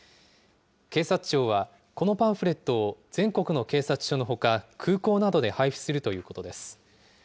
警察庁はこのパンフレットを全国の警察署のほか、空港などで配布するということです。